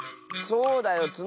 そうだよ。